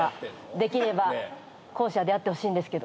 できれば後者であってほしいんですけど。